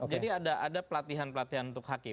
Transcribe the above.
jadi ada pelatihan pelatihan untuk hakim